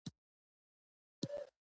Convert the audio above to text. • انسان د عمل په واسطه پېژندل کېږي.